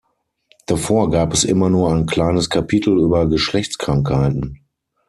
Davor gab es immer nur ein kleines Kapitel über Geschlechtskrankheiten.